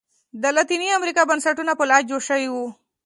د لاتینې امریکا بنسټونه په لاس جوړ شوي وو.